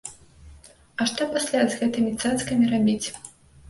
А што пасля з гэтымі цацкамі рабіць?